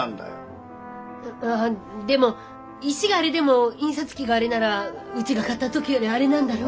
ああでも石があれでも印刷機があれならうちが買った時よりあれなんだろう？